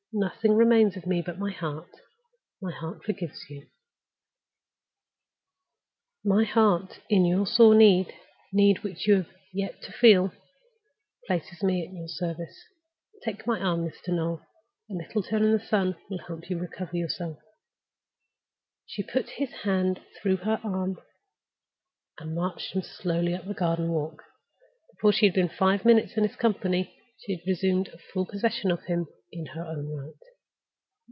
Nothing remains of me but my heart. My heart forgives you; my heart, in your sore need—need which you have yet to feel places me at your service. Take my arm, Mr. Noel. A little turn in the sun will help you to recover yourself." She put his hand through her arm and marched him slowly up the garden walk. Before she had been five minutes in his company, she had resumed full possession of him in her own right.